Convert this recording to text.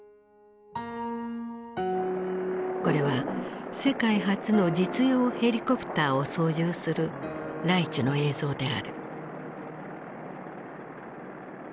これは世界初の実用ヘリコプターを操縦するライチュの映像である。